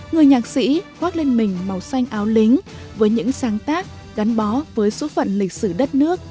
người nhạc sĩ khoác lên mình màu xanh áo lính với những sáng tác gắn bó với số phận lịch sử đất nước